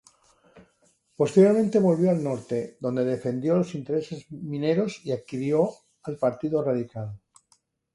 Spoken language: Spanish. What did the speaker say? Posteriormente volvió al norte, donde defendió los intereses mineros y adhirió al Partido Radical.